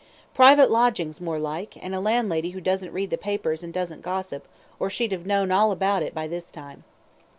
Private lodgings more like, and a landlady who doesn't read the papers and doesn't gossip, or she'd have known all about it by this time.